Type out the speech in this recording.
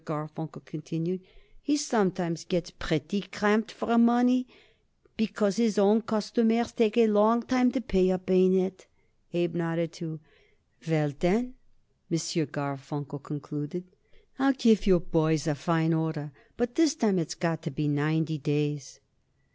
Garfunkel continued, "he sometimes gets pretty cramped for money, because his own customers takes a long time to pay up. Ain't it?" Abe nodded, too. "Well, then," M. Garfunkel concluded, "I'll give you boys a fine order, but this time it's got to be ninety days."